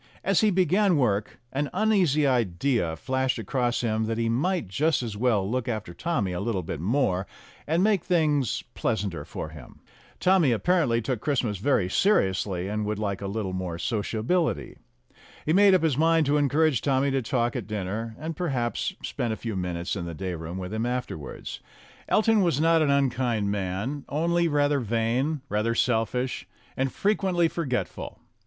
As he began work, an uneasy idea flashed across him that he might just as well look after Tommy a little bit more, and make things pleasanter for him. Tommy apparently took Christmas very seriously, and would like a little more sociability. He made up his mind to encourage Tommy to talk at dinner, and, perhaps, spend a few minutes in the day room with him afterwards. Elton was not an unkind man, only rather vain, rather selfish, and frequently forgetful.